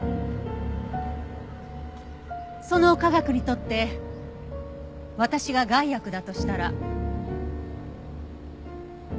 その科学にとって私が害悪だとしたら？